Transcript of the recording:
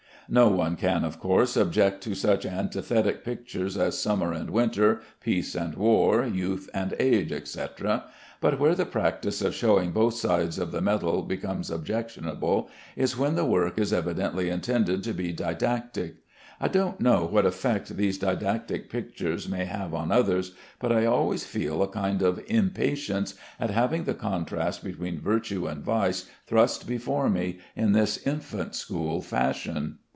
No one can, of course, object to such antithetic pictures as "Summer and Winter," "Peace and War," "Youth and Age," etc.; but where the practice of showing both sides of the medal becomes objectionable, is when the work is evidently intended to be didactic. I don't know what effect these didactic pictures may have on others, but I always feel a kind of impatience at having the contrast between virtue and vice thrust before me in this infant school fashion.